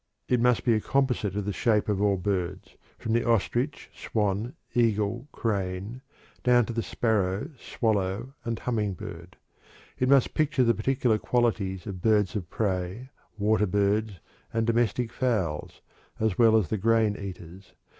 It must be a composite of the shape of all birds, from the ostrich, swan, eagle, crane, down to the sparrow, swallow, and humming bird. It must picture the particular qualities of birds of prey, water birds, and domestic fowls, as well as the grain eaters.